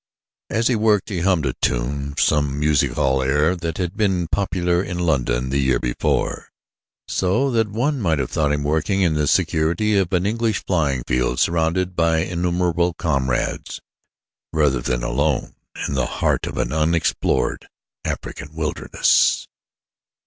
As he worked he hummed a tune, some music hall air that had been popular in London the year before, so that one might have thought him working in the security of an English flying field surrounded by innumerable comrades rather than alone in the heart of an unexplored African wilderness.